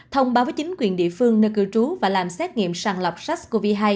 thông báo với chính quyền địa phương nơi cư trú và làm xét nghiệm sàng lọc sars cov hai